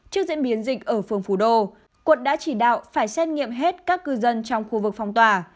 trước diễn biến dịch ở phường phủ đô quận đã chỉ đạo phải xét nghiệm hết các cư dân trong khu vực phong tỏa